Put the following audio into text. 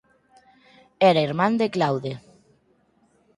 Era irmán de Claude.